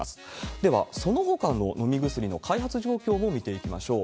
では、そのほかの飲み薬の開発状況を見ていきましょう。